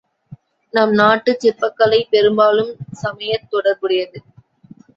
நம் நாட்டுச் சிற்பக் கலை பெரும்பாலும் சமயத் தொடர்புடையது.